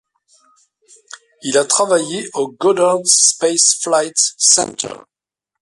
Il a travaillé au Goddard Space Flight Center.